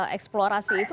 juga yang harus diperbaiki